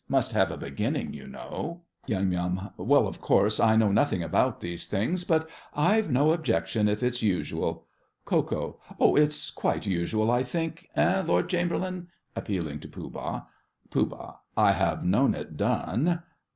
Must have a beginning, you know. YUM. Well, of course I know nothing about these things; but I've no objection if it's usual. KO. Oh, it's quite usual, I think. Eh, Lord Chamberlain? (Appealing to Pooh Bah.) POOH. I have known it done.